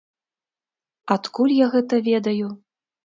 Адкуль я гэта ведаю?